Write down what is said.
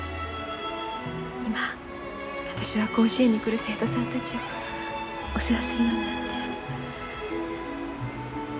今私は甲子園に来る生徒さんたちをお世話するようになって。